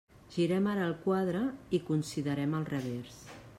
Girem ara el quadre i considerem el revers.